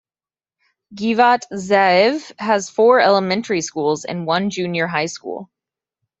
Giv'at Ze'ev has four elementary schools and one junior high school.